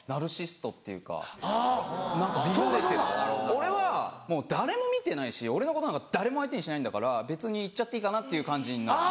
俺はもう誰も見てないし俺のことなんか誰も相手にしないんだから別に行っちゃっていいかなっていう感じになる。